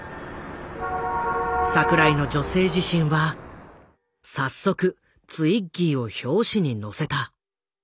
櫻井の「女性自身」は早速ツイッギーを表紙に載せた。